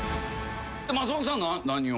松本さん何を？